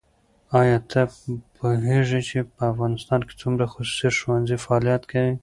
ایا ته پوهېږې چې په افغانستان کې څومره خصوصي ښوونځي فعالیت کوي؟